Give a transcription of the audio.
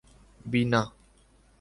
بینا